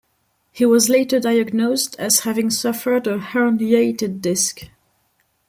He was later diagnosed as having suffered a herniated disc.